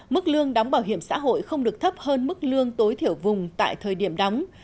mức lương đóng bảo hiểm xã hội không được thấp hơn mức lương tối thiểu vùng tại thời điểm đóng